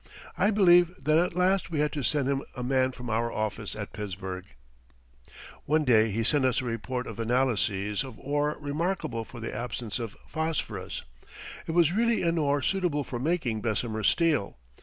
I believe that at last we had to send him a man from our office at Pittsburgh. One day he sent us a report of analyses of ore remarkable for the absence of phosphorus. It was really an ore suitable for making Bessemer steel.